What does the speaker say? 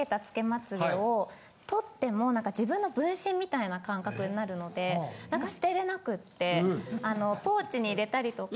取っても自分の分身みたいな感覚になるので何か捨てれなくってポーチに入れたりとか。